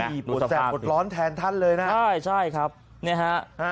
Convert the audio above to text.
หัวแสบหัวร้อนแทนท่านเลยนะครับนะครับนี่ครับ